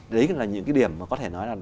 đấy là những cái điểm mà có thể nói là